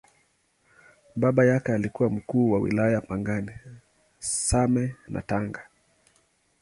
Baba yake alikuwa Mkuu wa Wilaya Pangani, Same na Tanga.